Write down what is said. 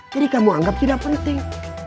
jadi kamu anggap tidak penting